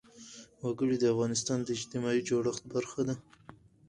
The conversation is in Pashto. وګړي د افغانستان د اجتماعي جوړښت برخه ده.